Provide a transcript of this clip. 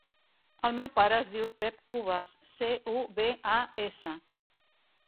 El meu pare es diu Pep Cubas: ce, u, be, a, essa.